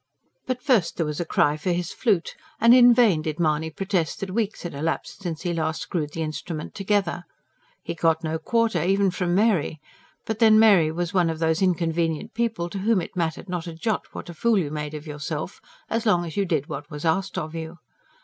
But first there was a cry for his flute; and in vain did Mahony protest that weeks had elapsed since he last screwed the instrument together. He got no quarter, even from Mary but then Mary was one of those inconvenient people to whom it mattered not a jot what a fool you made of yourself, as long as you did what was asked of you.